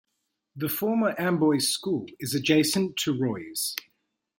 The former Amboy School is adjacent to Roy's.